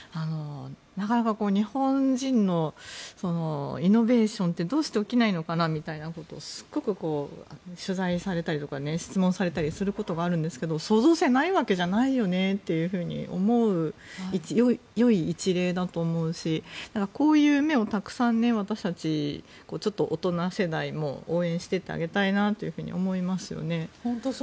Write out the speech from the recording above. なかなか日本人のイノベーションってどうして起きないのかなみたいなことをすごく取材されたり質問されたりするんですけど創造性がないわけじゃないよねって思うよい一例だと思うしこういう芽をたくさん私たちちょっと大人世代も応援していってあげたいなと思いますよね。